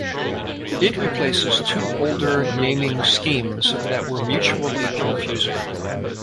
It replaces two older naming schemes that were mutually confusing.